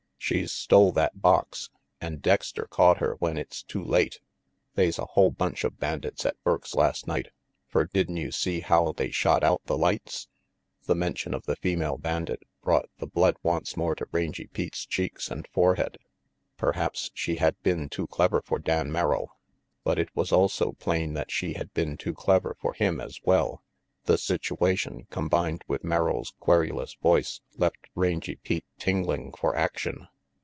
She's stole that box, an' Dexter caught her when it's too late. They's a hull bunch of bandits at Burke's last night, fer did'n you see how they shot out the lights?" The mention of the female bandit brought the blood once more to Rangy Pete's cheeks and fore head. Perhaps she had been too clever for Dan Merrill, but it was also plain that she had been too clever for him as well. The situation, combined with Merrill's querulous voice, left Rangy Pete tingling for action.